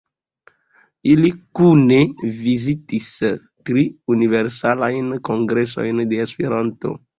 Ili kune vizitis tri Universalajn Kongresojn de Esperanto.